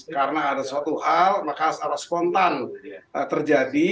karena ada suatu hal maka harus spontan terjadi